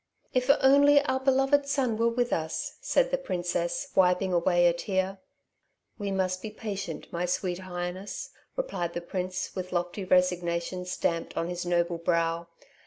"If only our beloved son were with us," said the princess, wiping away a tear. "We must be patient, my sweet Highness," replied the prince, with lofty resignation stamped on his noble brow.